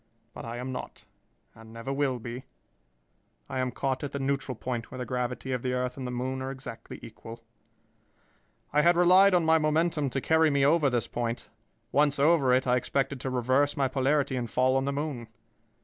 But I am not, and never will be. I am caught at the neutral point where the gravity of the earth and the moon are exactly equal. "I had relied on my momentum to carry me over this point. Once over it, I expected to reverse my polarity and fall on the moon.